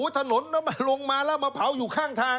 ถนนลงมาแล้วมาเผาอยู่ข้างทาง